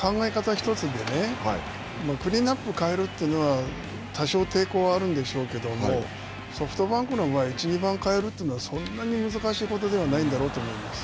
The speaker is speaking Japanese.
１つでね、クリーンナップを代えるというのは、多少抵抗はあるんでしょうけども、ソフトバンクの場合、１、２番を代えるというのはそんなに難しいことではないんだろうと思います。